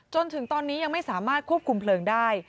จนถึงตอนนี้ยังไม่สามารถควบคุมเพลิงได้